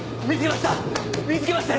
見つけました！